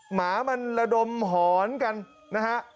หมามันระดมหอนกันนะฮะ